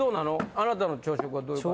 あなたの朝食はどういう感じ？